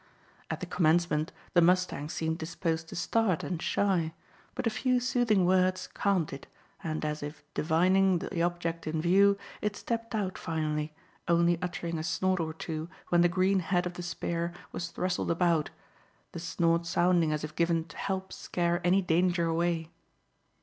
At the commencement the mustang seemed disposed to start and shy, but a few soothing words calmed it, and as if divining the object in view, it stepped out finally, only uttering a snort or two when the green head of the spear was rustled about, the snorts sounding as if given to help scare any danger away.